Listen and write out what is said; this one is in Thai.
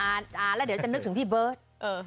อะเดี๋ยวจะนึกถึงบิ๊ฟต์